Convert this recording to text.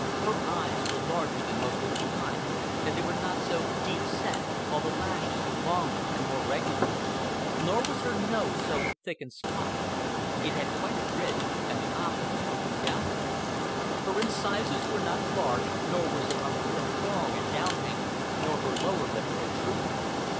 Her eyes were larger than most of her kind, and they were not so deep set, while the lashes were longer and more regular. Nor was her nose so thick and squat. It had quite a bridge, and the nostrils opened downward. Her incisors were not large, nor was her upper lip long and down hanging, nor her lower lip protruding.